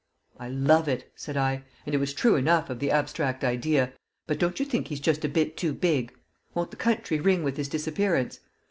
"I love it," said I (and it was true enough of the abstract idea), "but don't you think he's just a bit too big? Won't the country ring with his disappearance?"